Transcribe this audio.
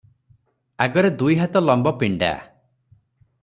ଆଗରେ ଦୁଇହାତ ଲମ୍ବ ପିଣ୍ତା ।